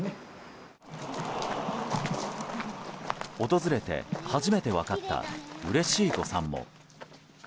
訪れて初めて分かったうれしい誤算も。